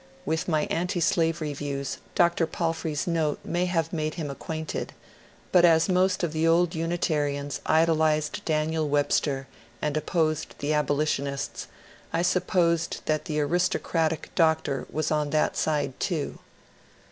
With my antislavery views Dr. Palfrey's note may have made him acquainted; but as most of the old Unitarians idolized Daniel Webster and opposed the abolitionists, I sup posed that the " aristocratic " doctor was on that side too.